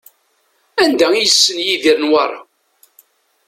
Anda i yessen Yidir Newwara?